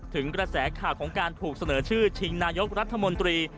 ถึงกระแสข่าวของการถูกเสนอชื่อชิงนายกรัฐมนตรี